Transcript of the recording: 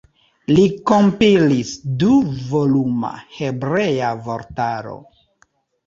Li kompilis du-voluma hebrea vortaro.